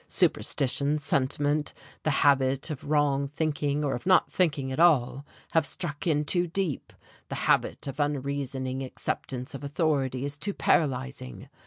Superstition, sentiment, the habit of wrong thinking or of not thinking at all have struck in too deep, the habit of unreasoning acceptance of authority is too paralyzing.